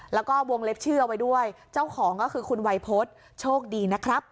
แล้วก็วงเล็บชื่อเอาไว้ด้วยเจ้าของก็คือคุณวัยพฤษโชคดีนะครับ